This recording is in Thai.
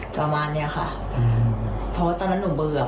ใช่ครับ